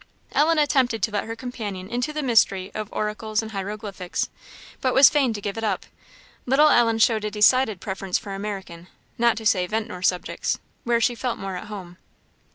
Ellen attempted to let her companion into the mystery of oracles and hieroglyphics, but was fain to give it up; little Ellen showed a decided preference for American, not to say Ventnor, subjects, where she felt more at home.